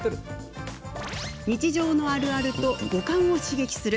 日常のあるあると五感を刺激する